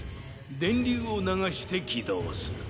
電流を流して起動する。